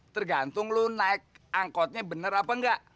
tergantung lo naik angkotnya benar apa enggak